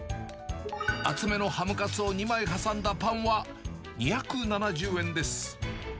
厚めのハムカツを２枚挟んだパンは２７０円です。